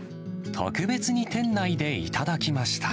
特別に店内で頂きました。